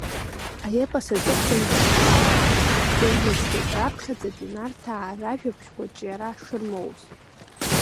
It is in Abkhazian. Аепос аҵыхәтәантәи апластқәа ирныԥшуеит раԥхьаӡатәи Нарҭаа ражәабжьқәа ҿиара шырмоуз.